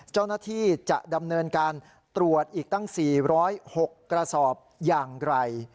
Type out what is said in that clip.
เจ้าหน้าที่จะดำเนินการตรวจอีกตั้ง๔๐๖กระสอบอย่างไร